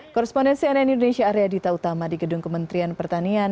korrespondensi nn indonesia arya dita utama di gedung kementerian pertanian